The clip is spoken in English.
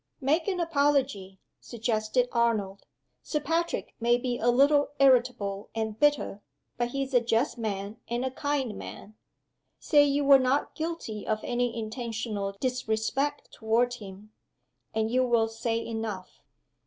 "Make an apology," suggested Arnold. "Sir Patrick may be a little irritable and bitter; but he's a just man and a kind man. Say you were not guilty of any intentional disrespect toward him and you will say enough."